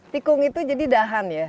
tikung itu jadi dahan ya